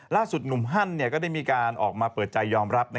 ล่าสุดหนุ่มฮั่นก็ได้มีการออกมาเปิดใจยอมรับ